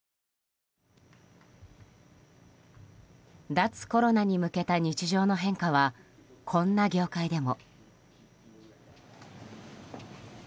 脱コロナに向けた日常の変化はこんな業界でも。